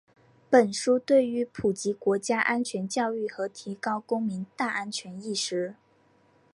本书对于普及国家安全教育和提高公民“大安全”意识